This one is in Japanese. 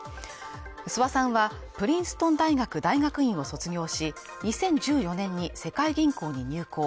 諏訪さんは、プリンストン大学大学院を卒業し、２０１４年に世界銀行に入行。